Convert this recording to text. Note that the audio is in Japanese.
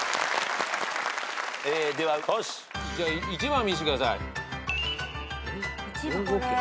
１番見せてください。